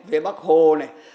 về bắc hồ này